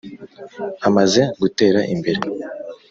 amaze gutera imbere